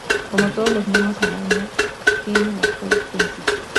Como todos los monos araña tiene la cola prensil.